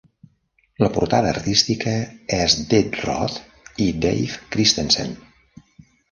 La portada artística és d'Ed Roth i Dave Christensen.